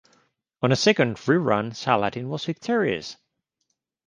On a second rerun Saladin was victorious.